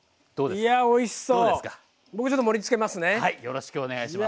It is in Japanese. いやおいしそうですね。